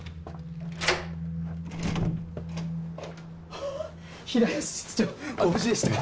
ハハ平安室長ご無事でしたか。